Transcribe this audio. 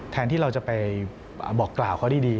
แทนที่เราจะไปบอกกล่าวเขาดี